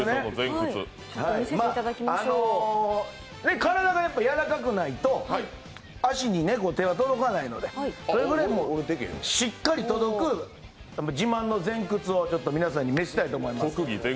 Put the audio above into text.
体が柔らかくないと足に手が届かないのでそれぐらい、もうしっかり届く自慢の前屈を見せたいと思います。